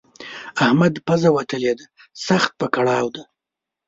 د احمد پزه وتلې ده؛ سخت په کړاو دی.